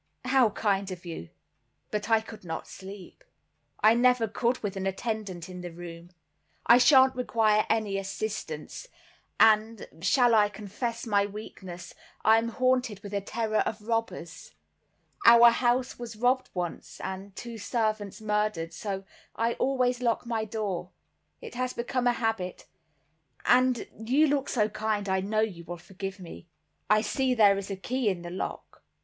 "How kind of you, but I could not sleep, I never could with an attendant in the room. I shan't require any assistance—and, shall I confess my weakness, I am haunted with a terror of robbers. Our house was robbed once, and two servants murdered, so I always lock my door. It has become a habit—and you look so kind I know you will forgive me. I see there is a key in the lock."